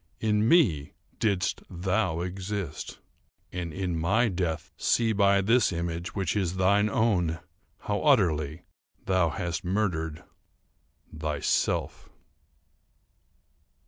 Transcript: In me didst thou exist—and, in my death, see by this image, which is thine own, how utterly thou hast murdered thyself."